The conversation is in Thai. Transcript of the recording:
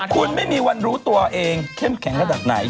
คุณไม่มีวันรู้ตัวเองเข้มแข็งระดับไหน